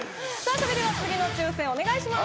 それでは次の抽選お願いします